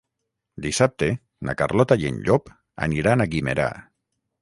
Dissabte na Carlota i en Llop aniran a Guimerà.